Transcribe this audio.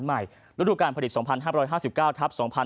ศรูปการผลิต๒๕๕๙๒๕๖๐